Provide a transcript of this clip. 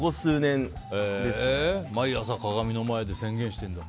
毎朝、鏡の前で宣言してるんだ。